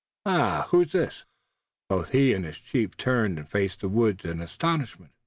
Ah, who is this?" Both he and his chief turned and faced the woods in astonishment.